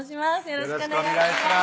よろしくお願いします